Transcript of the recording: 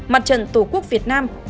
mặt trận tổ quốc việt nam